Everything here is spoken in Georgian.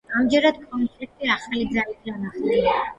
ამჯერად, კონფლიქტი ახალი ძალით განახლდა.